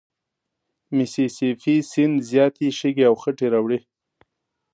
میسي سي پي سیند زیاتي شګې او خټې راوړي.